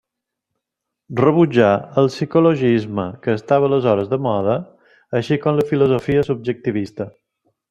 Rebutjà el psicologisme, que estava aleshores de mode, així com la filosofia subjectivista.